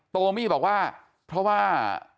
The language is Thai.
โตมี่บอกว่าเพราะว่า